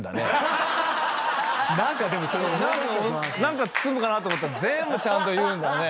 何か包むかなと思ったら全部ちゃんと言うんだね。